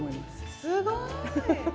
すごい！